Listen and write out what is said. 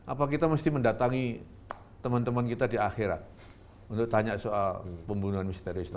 apa kita mesti mendatangi teman teman kita di akhirat untuk tanya soal pembunuhan misterius